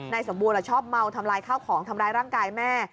สมบูรณ์ชอบเมาทำลายข้าวของทำร้ายร่างกายแม่